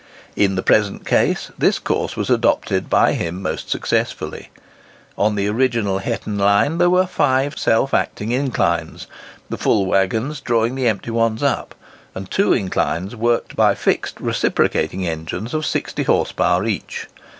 In the present case, this course was adopted by him most successfully. On the original Hetton line, there were five self acting inclines,—the full waggons drawing the empty ones up,—and two inclines worked by fixed reciprocating engines of sixty horse power each.